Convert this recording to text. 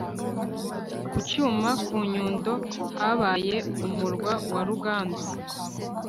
Ku cyuma: ku Nyundo, habaye umurwa wa Ruganzu.